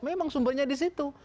memang sumbernya di situ